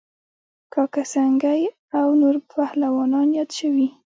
کاکه سنگی او نور پهلوانان یاد شوي